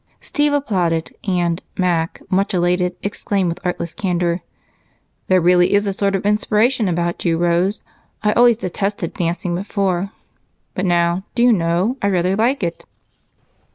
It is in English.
Steve applauded, and Mac, much elated, exclaimed with artless candor: "There really is a sort of inspiration about you, Rose. I always detested dancing before, but now, do you know, I rather like it."